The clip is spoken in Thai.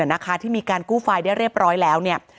นะคะที่มีการกู้ไฟล์ได้เรียบร้อยแล้วเนี่ย